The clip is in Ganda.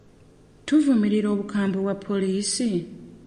Tuvumirira obukambwe bwa poliisi?